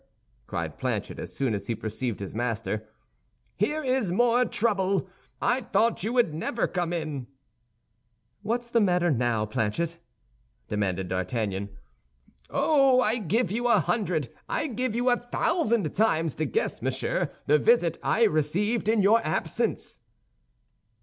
cried Planchet, as soon as he perceived his master, "here is more trouble. I thought you would never come in." "What's the matter now, Planchet?" demanded D'Artagnan. "Oh! I give you a hundred, I give you a thousand times to guess, monsieur, the visit I received in your absence."